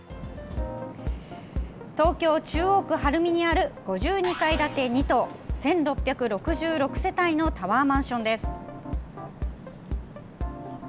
東京・中央区晴海にある５２階建て２棟１６６６世帯のタワーマンションです。